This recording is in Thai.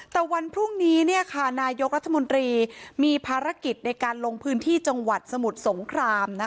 แต่วันพรุ่งนี้นายกรัฐมนตรีมีภารกิจในการลงพื้นที่จังหวัดสมุทรสงคราม